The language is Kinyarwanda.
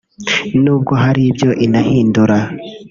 n’ubwo hari ibyo inahindura